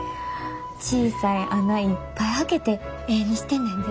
小さい孔いっぱい開けて絵にしてんねんで。